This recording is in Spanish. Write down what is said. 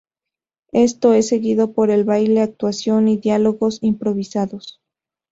Esto es seguido por el baile, actuación y diálogos improvisados.